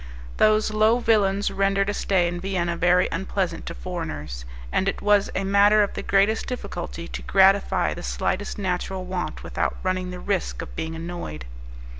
Those low villains rendered a stay in Vienna very unpleasant to foreigners, and it was a matter of the greatest difficulty to gratify the slightest natural want without running the risk of being annoyed.